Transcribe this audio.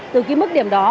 từ cái mức điểm đó